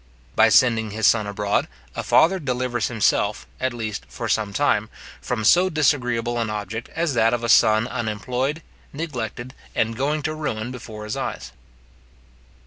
By sending his son abroad, a father delivers himself, at least for some time, from so disagreeable an object as that of a son unemployed, neglected, and going to ruin before his eyes.